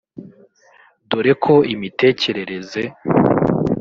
dore ko imitekerereze